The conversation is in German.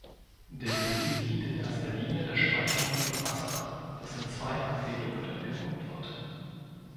Der See dient in erster Linie der Speicherung von Wasser, das in zwei Aquädukte gepumpt wird.